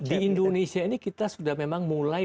di indonesia ini kita sudah memang mulai